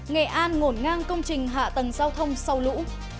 nghệ an ngổn ngang công trình hạ tầng giao thông sau lũ